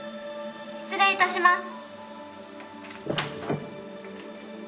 失礼いたします。